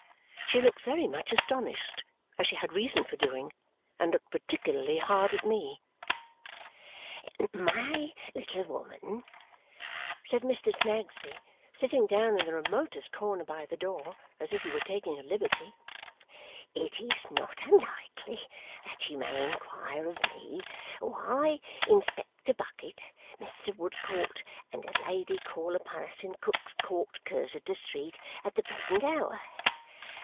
She looked very much astonished, as she had reason for doing, and looked particularly hard at me. "My little woman," said Mr. Snagsby, sitting down in the remotest corner by the door, as if he were taking a liberty, "it is not unlikely that you may inquire of me why Inspector Bucket, Mr. Woodcourt, and a lady call upon us in Cook's Court, Cursitor Street, at the present hour.